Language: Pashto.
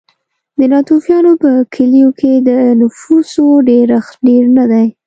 د ناتوفیانو په کلیو کې د نفوسو ډېرښت ډېر نه دی.